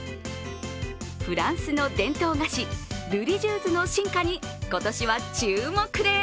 フランスの伝統菓子、ルリジューズの進化に今年は注目です。